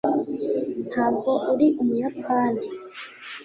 ntabwo uri umuyapani